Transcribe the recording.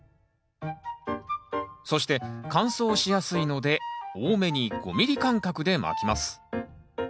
そして乾燥しやすいので多めに５ｍｍ間隔でまきます